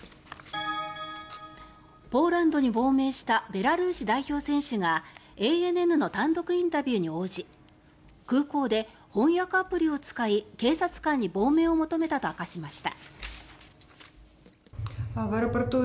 ポーランドに亡命したベラルーシ代表選手がＡＮＮの単独インタビューに応じ空港で翻訳アプリを使い警察官に亡命を求めたと明かしました。